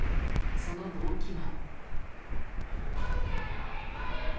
その動機は。